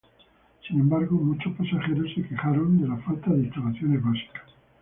Sin embargo, muchos pasajeros se quejaron de la falta de instalaciones básicas.